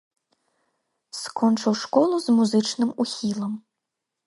Скончыў школу з музычным ухілам.